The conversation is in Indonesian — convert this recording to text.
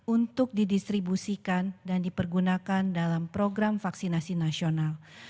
untuk didistribusikan dan dipergunakan dalam program vaksinasi nasional